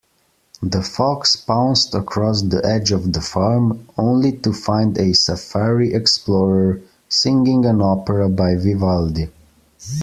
The fox pounced across the edge of the farm, only to find a safari explorer singing an opera by Vivaldi.